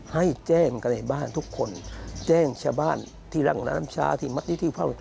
ให้แจ้งกันในบ้านทุกคนแจ้งชบ้านที่รักน้ำชามัตติที่กับข้าว